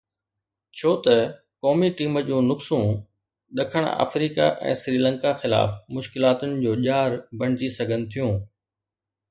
ڇو ته قومي ٽيم جون نقصون ڏکڻ آفريڪا ۽ سريلنڪا خلاف مشڪلاتن جو ڄار بڻجي سگهن ٿيون.